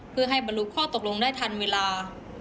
เพื่อให้บรรลุข้อตกลงได้ทันเวลา